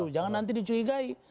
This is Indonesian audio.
jangan nanti dicurigai